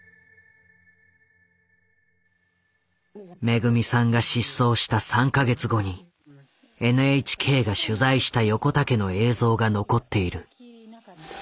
めぐみさんが失踪した３か月後にＮＨＫが取材した横田家の映像が残っている。